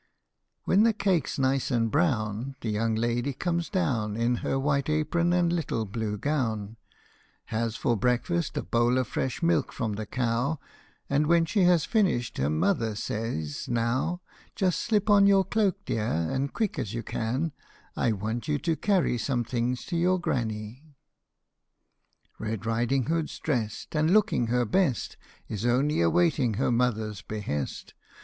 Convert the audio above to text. When the cake's nice and brown The young lady comes down, In her little white apron and little blue gown ; Has for breakfast a bowl of fresh milk from the cow, And when she has finished, her mother says, "Now, Just slip on your cloak, dear, as quick as you can ; I Want you to carry some things to your granny! Red Riding Hood's drest, And, looking her best, Is only awaiting her mother's behest.